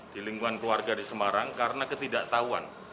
di lingkungan keluarga di semarang karena ketidaktahuan